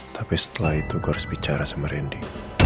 tapi setelah itu gue harus bicara sama randy